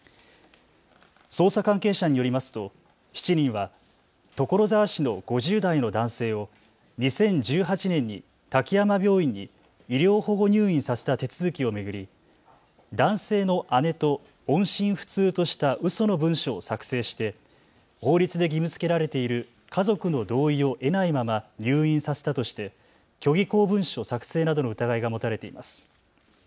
捜査関係者によりますと７人は所沢市の５０代の男性を２０１８年に滝山病院に医療保護入院させた手続きを巡り男性の姉と音信不通としたうその文書を作成して法律で義務づけられている家族の同意を得ないまま入院させたとして虚偽公文書作成などの疑いが持たれています。